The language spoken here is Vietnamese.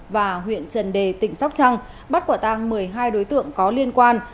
và huyện trần đề tỉnh sóc trăng bắt quả tang một mươi hai đối tượng có liên quan